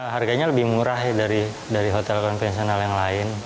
harganya lebih murah dari hotel konvensional yang lain